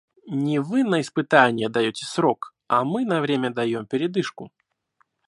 Не вы на испытание даете срок — а мы на время даем передышку.